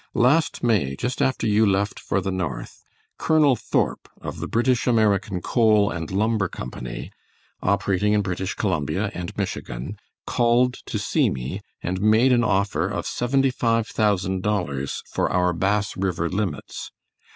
Last May, just after you left for the north, Colonel Thorp, of the British American Coal and Lumber Company, operating in British Columbia and Michigan, called to see me, and made an offer of $75,000 for our Bass River limits.